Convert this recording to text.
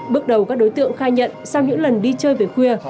bước đầu các đối tượng khai nhận sau những lần đi chơi về khuya